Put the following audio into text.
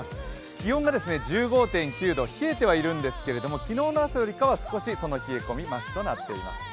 気温が１５．９度、冷えてはいるんですけれども、昨日の朝よりかは、少しその冷え込みましとなっています。